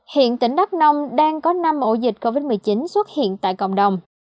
hiện tỉnh đắk nông đang có năm ổ dịch covid một mươi chín xuất hiện tại cộng đồng